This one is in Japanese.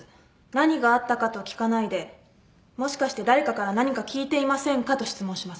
何があったかと聞かないで「もしかして誰かから何か聞いていませんか？」と質問します。